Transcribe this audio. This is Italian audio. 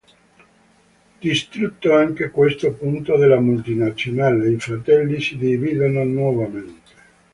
Distrutto anche questo punto della multinazionale, i fratelli si dividono nuovamente.